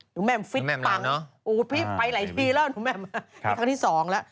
หนูแมมฟิตตังค์โอ้โฮพี่ไปหลายทีแล้วหนูแมมนะฮะที่๒แล้ว